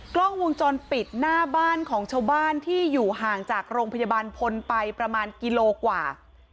กล้องวงจรปิดหน้าบ้านของชาวบ้านที่อยู่ห่างจากโรงพยาบาลพลไปประมาณกิโลกว่า